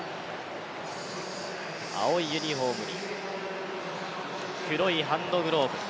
青いユニフォームに黒いハンドグローブ。